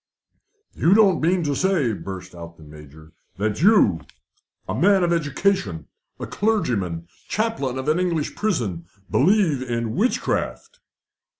"You don't mean to say," burst out the Major, "that you, a man of education, a clergyman, chaplain of an English prison, believe in witchcraft?"